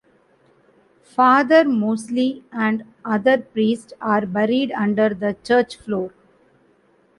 Father Mosley and other priest are buried under the church floor.